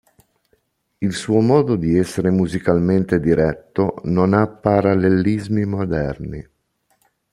Il suo modo di essere musicalmente diretto non ha parallelismi moderni.